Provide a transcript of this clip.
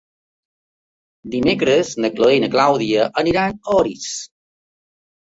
Dimecres na Chloé i na Clàudia aniran a Orís.